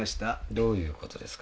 どういうことですか？